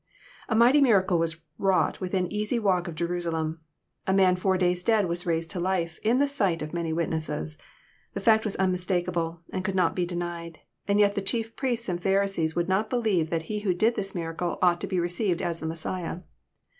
A mighty miracle was wrought within an easy walk of Jerusalem. A man four ^ays dead was raised to life, in the sight of many witnesses. The fact was unmistakable, and could not be denied ; and yet the chief priests and Pharisees would not believe that He who did this miracle ought to be received as the Messiah.